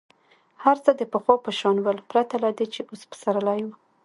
هر څه د پخوا په شان ول پرته له دې چې اوس پسرلی وو.